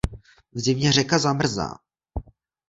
V zimě řeka zamrzá.